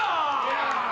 「やあ！」